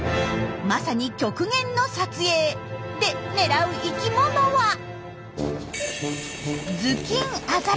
まさに極限の撮影！でねらう生きものは。